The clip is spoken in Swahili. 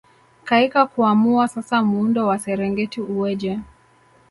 Kaika kuamua sasa muundo wa Serengeti uweje